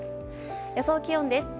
予想気温です。